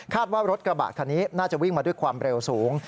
ว่ารถกระบะคันนี้น่าจะวิ่งมาด้วยความเร็วสูง